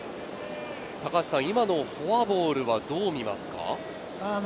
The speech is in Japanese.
高橋さん、今のフォアボールはどう見ますか？